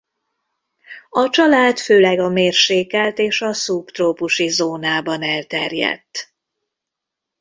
A család főleg a mérsékelt és a szubtrópusi zónában elterjedt.